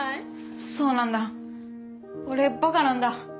そうなんだ俺ばかなんだ。